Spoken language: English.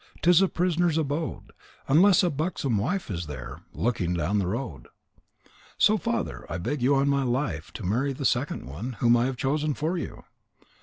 Tis a prisoner's abode, Unless a buxom wife is there, Looking down the road.' So, Father, I beg you on my life to marry the second one, whom I have chosen for you."